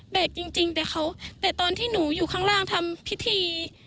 แบกจริงแต่ตอนที่หนูอยู่ข้างล่างทำพิธี